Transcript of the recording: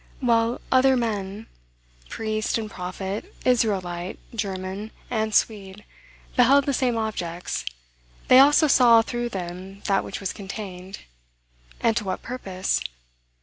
Well, other men, priest and prophet, Israelite, German, and Swede, beheld the same objects: they also saw through them that which was contained. And to what purpose?